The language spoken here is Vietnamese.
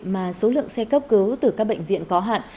mà số lượng xe cấp cứu từ các bệnh viện có hạn